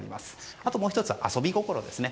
あと、もう１つは遊び心ですね。